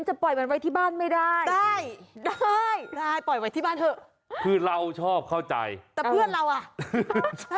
ชอบมากชอบมาก